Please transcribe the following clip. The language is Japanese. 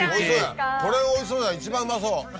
これがおいしそう一番うまそう。